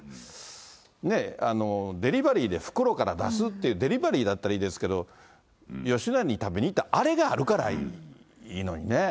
ねえ、デリバリーで袋から出すって、デリバリーだったらいいですけど、吉野家に行って、あれがあるからいいのにね。